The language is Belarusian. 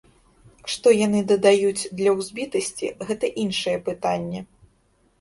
Што яны дадаюць, для узбітасці, гэта іншае пытанне.